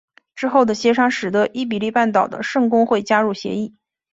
之后的协商使得伊比利半岛的圣公会加入协议。